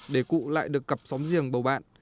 để cụ lại được cặp xóm riêng bầu bạn